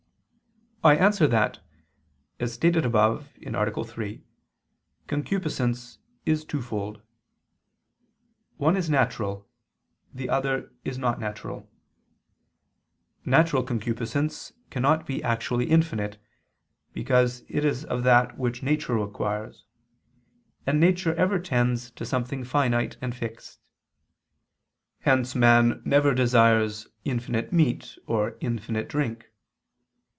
I answer that, As stated above (A. 3), concupiscence is twofold; one is natural, the other is not natural. Natural concupiscence cannot be actually infinite: because it is of that which nature requires; and nature ever tends to something finite and fixed. Hence man never desires infinite meat, or infinite drink.